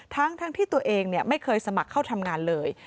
ทั้งที่ตัวเองไม่เคยสมัครเข้าทำงานเลย